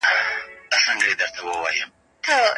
سرمایه داري نظام د خلګو ترمنځ کینه پیدا کوي.